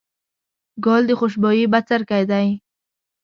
ګل د خوشبويي بڅرکی دی.